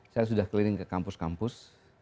saya sudah keliling ke kampus kampus